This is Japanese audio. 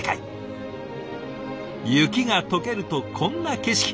雪がとけるとこんな景色。